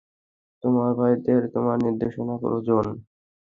তোমার ভাইদের তোমার নির্দেশনা প্রয়োজন।